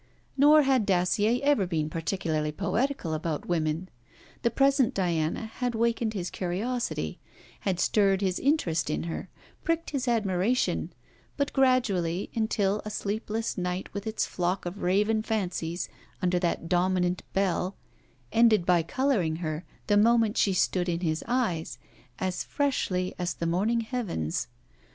Nor had Dacier ever been particularly poetical about women. The present Diana had wakened his curiosity, had stirred his interest in her, pricked his admiration, but gradually, until a sleepless night with its flock of raven fancies under that dominant Bell, ended by colouring her, the moment she stood in his eyes, as freshly as the morning heavens.